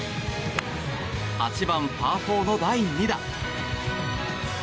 ８番、パー４の第２打。